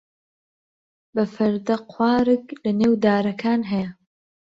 بە فەردە قوارگ لەنێو دارەکان هەیە.